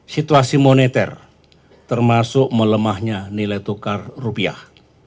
situasi moneter termasuk melemahnya nilai tukar rupiah